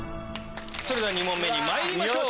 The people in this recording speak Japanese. それでは２問目まいりましょう。